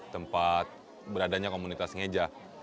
tempat beradanya komunitas sengejah